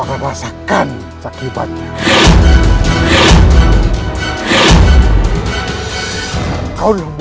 atau mereka yang akan menghabisi kau lekser